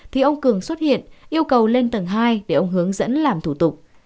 thì ông cường xuất hiện yêu cầu lên tầng hai để ông hướng dẫn làm thủ tục